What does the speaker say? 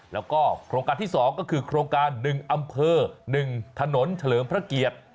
แล้วก็โครงการที่๒ก็คือโครงการ๑อำเภอ๑ถนนเฉลิมพระเกียรติ